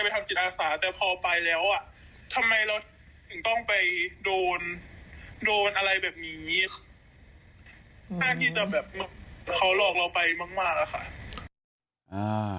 เค้าหลอกเราไปมากค่ะ